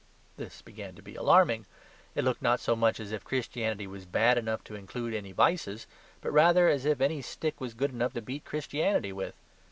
This began to be alarming. It looked not so much as if Christianity was bad enough to include any vices, but rather as if any stick was good enough to beat Christianity with.